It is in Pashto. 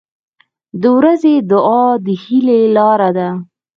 • د ورځې دعا د هیلې لاره ده.